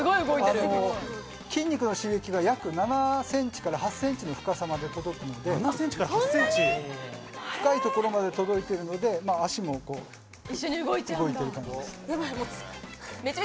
筋肉の刺激が約７ｃｍから８ｃｍの深さまで届くので、深いところまで届いているので、足も動いてる感じです。